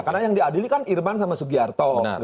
karena yang diadili kan irman sama sugiharto